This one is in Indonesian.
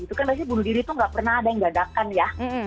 itu kan maksudnya bunuh diri itu gak pernah ada yang gadakan ya